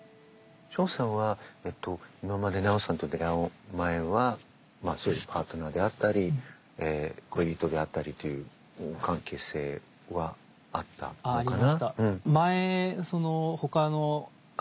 ショウさんは今までナオさんと出会う前はまあそういうパートナーであったり恋人であったりという関係性はあったのかな？